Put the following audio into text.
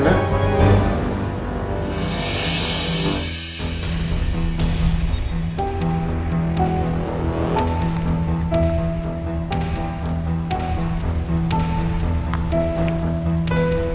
nanti ya nak sebentar ya nak